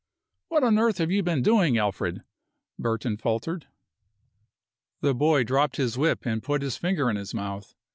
"What on earth have you been doing, Alfred?" Burton faltered. The boy dropped his whip and put his finger in his mouth.